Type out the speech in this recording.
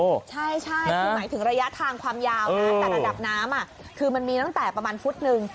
ใช่คือหมายถึงระยะทางความยาวนะแต่ระดับน้ำคือมันมีตั้งแต่ประมาณฟุตนึง